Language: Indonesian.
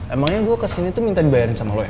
emangnya gue kesini tuh minta dibayarin sama lo ya